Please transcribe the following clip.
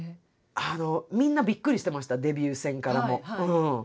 みんなびっくりしてましたデビュー戦からもう。